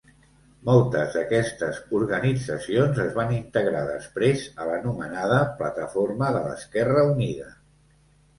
Moltes d'aquestes organitzacions es van integrar després a l'anomenada Plataforma de l'Esquerra Unida.